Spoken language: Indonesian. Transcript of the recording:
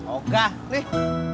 oh gak nih